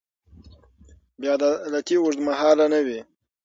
بې عدالتي اوږدمهاله نه وي